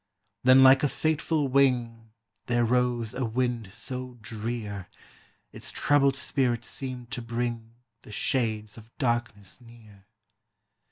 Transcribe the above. Then like a fateful wing There rose a wind so drear, Its troubled spirit seemed to bring The shades of darkness near.